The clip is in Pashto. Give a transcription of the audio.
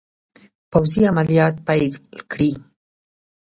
پوځي عملیات پیل کړي.